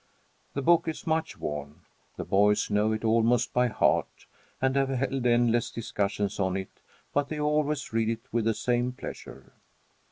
The book is much worn. The boys know it almost by heart and have held endless discussions on it, but they always read it with the same pleasure.